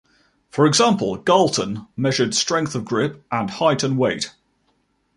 For example, Galton measured strength of grip and height and weight.